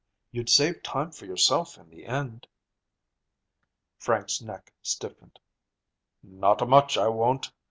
You'd save time for yourself in the end." Frank's neck stiffened. "Not a much, I won't.